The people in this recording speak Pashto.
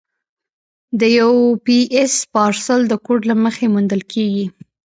د یو پي ایس پارسل د کوډ له مخې موندل کېږي.